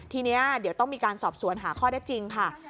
ทีนี้เดี๋ยวต้องมีการสอบสวนหาข้อได้จริงค่ะ